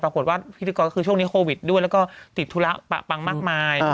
ปรากฏว่าพิธีกรคือช่วงนี้โควิดด้วยแล้วก็ติดธุระปะปังมากมาย